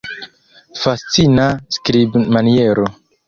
Fascina skribmaniero!